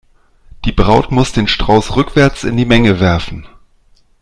Die Braut muss den Strauß rückwärts in die Menge werfen.